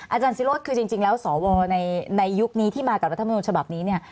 อาจารย์ศิโรธคือจริงแล้วสวในยุคนี้ที่มากับรัฐมนุนฉบับนี้เนี่ย